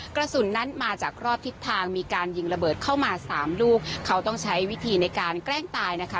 กระสุนนั้นมาจากรอบทิศทางมีการยิงระเบิดเข้ามาสามลูกเขาต้องใช้วิธีในการแกล้งตายนะคะ